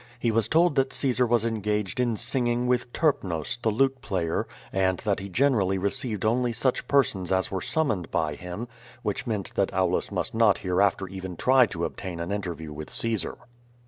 He was told that Caesar was engaged in singing with Terpnos, the lute player, and that he generally received only such persons as were summoned by him, which meant that Aulus must not hereafter even try to obtain an interview with Caesar.